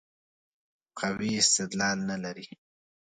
قوي استدلال نه لري.